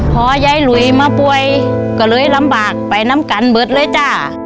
พอยายหลุยมาป่วยก็เลยลำบากไปน้ำกันเบิดเลยจ้า